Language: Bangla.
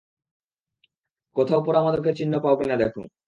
কোথাও পোড়া মাদকের চিহ্ন খুঁজে পাও কিনা দেখ!